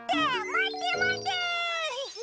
まてまて。